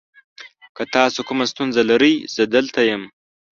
که تاسو کومه ستونزه لرئ، زه دلته یم.